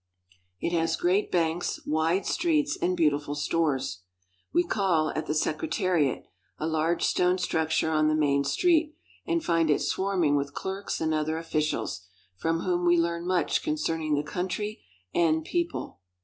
It has great banks, wide streets, and beautiful stores. We call at the Secretariat, a large stone structure on the main street, and find it swarm ing with clerks and other officials, from whom we learn much concerning the country and people.